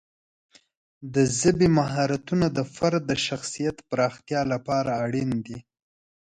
د ژبې مهارتونه د فرد د شخصیت پراختیا لپاره اړین دي.